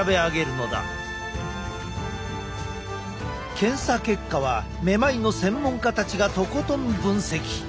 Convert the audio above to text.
検査結果はめまいの専門家たちがとことん分析。